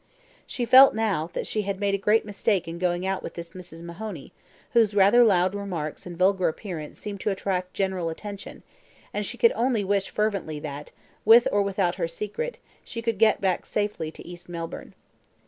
She felt, now, that she had made a great mistake in going out with this Mrs. Mahoney, whose rather loud remarks and vulgar appearance seemed to attract general attention, and she could only wish fervently that, with or without her secret, she could get back safely to East Melbourne.